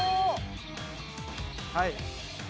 はい。